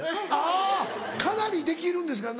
あぁかなりできるんですか？